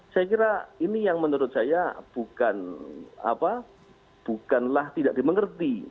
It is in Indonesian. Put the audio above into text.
saya kira ini yang menurut saya bukanlah tidak dimengerti